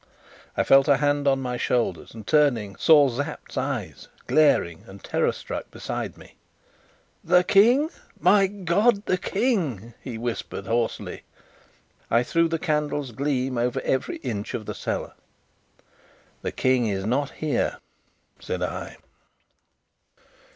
I felt a hand on my shoulders, and, turning, saw Sapt, eyes glaring and terror struck, beside me. "The King? My God! the King?" he whispered hoarsely. I threw the candle's gleam over every inch of the cellar. "The King is not here," said I.